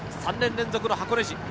３年連続の箱根路。